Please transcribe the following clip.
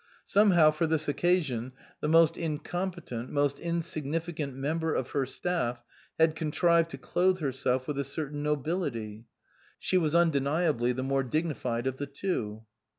Somehow, for this occasion, the most incompetent, most insignifi cant member of her staff had contrived to clothe herself with a certain nobility. She was un deniably the more dignified of the two.